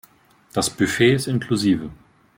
Das Buffet ist inklusive.